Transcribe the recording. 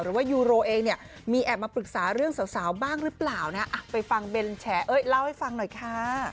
หรือว่ายูโรเองเนี่ยมีแอบมาปรึกษาเรื่องสาวบ้างหรือเปล่านะไปฟังเบนแฉเอ้ยเล่าให้ฟังหน่อยค่ะ